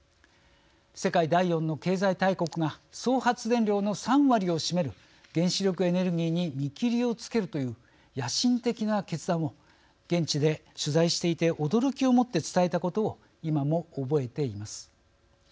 世界第４の経済大国が総発電量の３割を占める原子力エネルギーに見切りをつけるという野心的な決断を現地で取材していて驚きを持って伝えたことを今も覚えています。